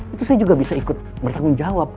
itu saya juga bisa ikut bertanggung jawab